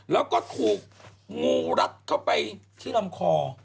แล้วก็ถูกงูรัดเข้าไปที่ลำคอ